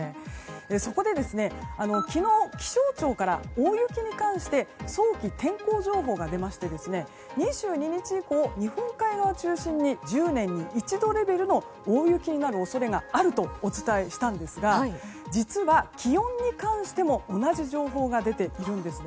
そこで、昨日気象庁から大雪に関して早期天候情報が出まして２２日以降、日本海側を中心に１０年に一度レベルの大雪になる恐れがあるとお伝えしたんですが実は気温に関しても同じ情報が出ているんです。